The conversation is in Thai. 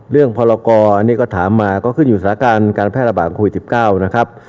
เรื่องพลกออันนี้ก็ถามมาก็ขึ้นอยู่สถาบันการแพทย์ระบาลคุย๑๙นะครับ